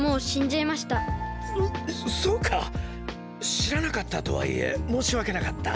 しらなかったとはいえもうしわけなかった。